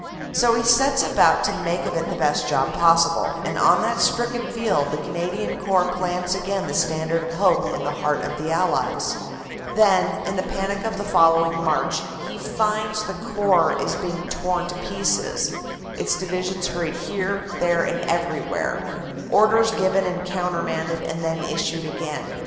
So he sets about to 292 CANADA S HUNDRED DAYS make of it the best job possible, and on that stricken field the Canadian Corps plants again the standard of hope in the heart of the Allies. Then, in the panic of the following March, he finds the Corps is being torn to pieces, its Divisions hurried here, there and everywhere; orders given and countermanded and then issued again.